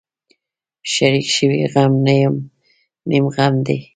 شریک شوی غم نیم غم دی.